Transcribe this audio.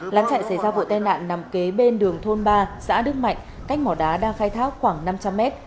lán chạy xảy ra vụ tai nạn nằm kế bên đường thôn ba xã đức mạnh cách mỏ đá đang khai thác khoảng năm trăm linh mét